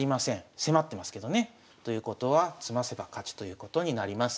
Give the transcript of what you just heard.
迫ってますけどね。ということは詰ませば勝ちということになります。